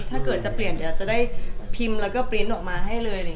ถ้าเกิดจะเปลี่ยนเดี๋ยวเราจะได้พิมพ์แล้วก็ปริ้นต์ออกมาให้เลย